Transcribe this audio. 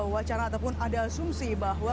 wacana ataupun ada asumsi bahwa